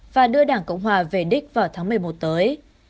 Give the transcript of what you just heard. và đưa đảng cộng hòa về đích vào tháng một mươi một tới